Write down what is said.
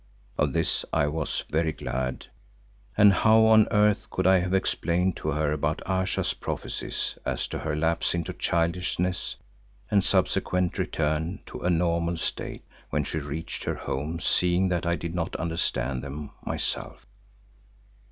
Of this I was very glad, as how on earth could I have explained to her about Ayesha's prophecies as to her lapse into childishness and subsequent return to a normal state when she reached her home seeing that I did not understand them myself?